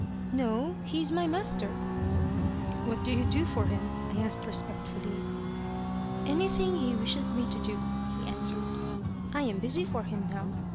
"No. He's my master." "What do you do for him?" I asked respectfully. "Anything he wishes me to do," he answered. "I am busy for him now.